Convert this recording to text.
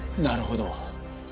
なるほど。